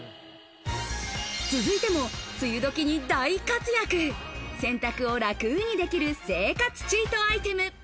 続いても梅雨時に大活躍、洗濯を楽にできる生活チートアイテム。